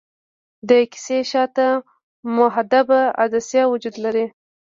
د کسي شاته محدبه عدسیه وجود لري.